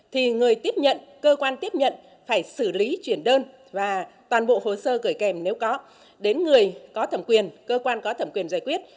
thì người tiếp nhận cơ quan tiếp nhận phải xử lý chuyển đơn và toàn bộ hồ sơ gửi kèm nếu có đến người có thẩm quyền cơ quan có thẩm quyền giải quyết